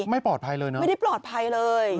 ไม่ปลอดภัยเลยนะไม่ได้ปลอดภัยเลย